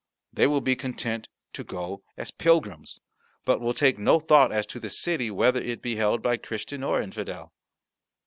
They will be content to go as pilgrims, but will take no thought as to the city, whether it be held by Christian or infidel."